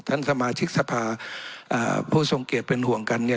ท่านสมาชิกสภาผู้สงเกตเป็นห่วงกัน